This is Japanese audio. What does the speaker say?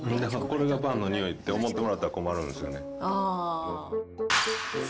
これがパンの匂いって思ってもらったら困るんですよね。